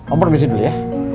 om permisi dulu ya